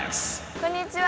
こんにちは！